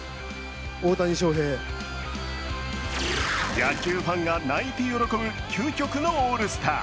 野球ファンが泣いて喜ぶ究極のオールスター。